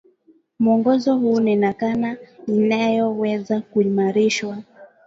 Mwongozo huu ni nakala inayoweza kuimarishwa